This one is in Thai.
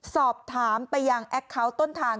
สอบถามไปยังแอคเคาน์ต้นทาง